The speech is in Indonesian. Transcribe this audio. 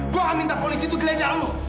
gua akan minta polisi tuh geledah lu